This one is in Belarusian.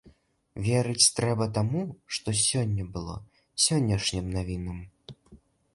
Верыць трэба таму, што сёння было, сённяшнім навінам.